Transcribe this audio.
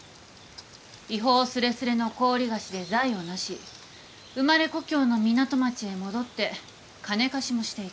違法すれすれの高利貸で財を成し生まれ故郷の港町へ戻って金貸しもしていた。